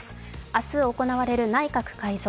明日行われる内閣改造。